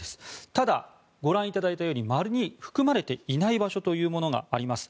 ただ、ご覧いただいたように丸に含まれていない場所があります。